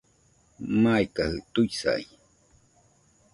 Maikajɨ tuisai